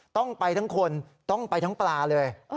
ต้องไปทั้งคนต้องไปทั้งปลาเลย